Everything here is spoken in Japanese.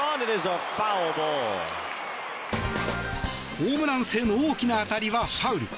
ホームラン性の大きな当たりはファウル。